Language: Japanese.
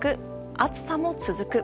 暑さも続く。